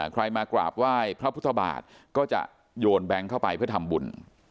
ใครมากราบไหว้พระพุทธบาทก็จะโยนแบงค์เข้าไปเพื่อทำบุญ